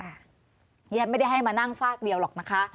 ฉันไม่ได้ให้มานั่งฟากเดียวหรอกนะคะ